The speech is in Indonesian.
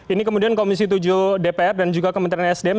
ini kemudian komisi tujuh dpr dan juga kementerian sdm